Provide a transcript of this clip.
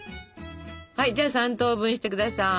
はいじゃあ３等分して下さい。